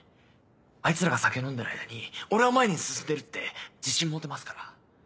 あいつらが酒飲んでる間に俺は前に進んでるって自信持てますから。